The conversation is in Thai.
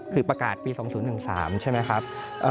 คือประกาศปี๒๐๑๓ใช่ไหมครับ